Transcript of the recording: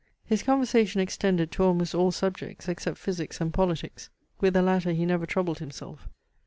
His conversation extended to almost all subjects, except physics and politics; with the latter he never troubled himself.